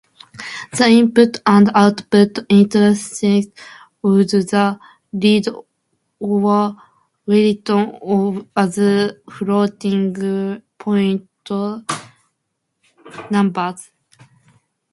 The input and output instructions would be read or written as floating point numbers.